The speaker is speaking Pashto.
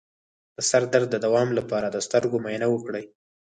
د سر درد د دوام لپاره د سترګو معاینه وکړئ